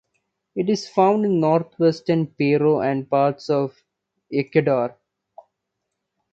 It is found in Northwestern Peru and parts of Ecuador.